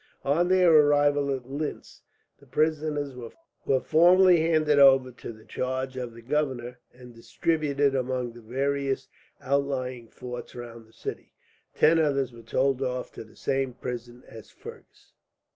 On their arrival at Linz, the prisoners were formally handed over to the charge of the governor, and distributed among the various outlying forts round the city. Ten others were told off to the same prison as Fergus.